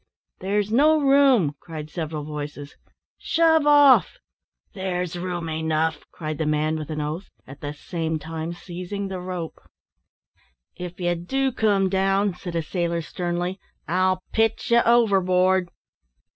"There's no room!" cried several voices. "Shove off." "There's room enough!" cried the man, with an oath; at the same time seizing the rope. "If ye do come down," said a sailor, sternly, "I'll pitch ye overboard."